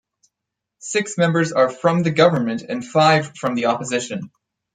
Six members are from the Government and five from the Opposition.